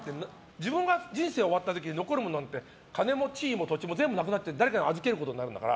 自分が人生終わったときに残るものなんて金も地位も土地も全部なくなって誰かに預けることになるんだから。